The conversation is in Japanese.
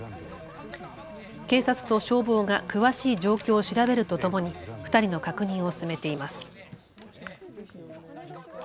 警察と消防が詳しい状況を調べるとともに２人の確認を進めています。